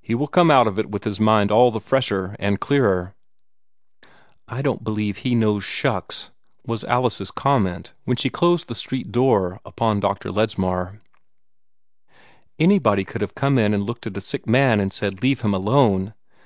He will come out of it with his mind all the fresher and clearer." "I don't believe he knows shucks!" was Alice's comment when she closed the street door upon Dr. Ledsmar. "Anybody could have come in and looked at a sick man and said, 'Leave him alone.'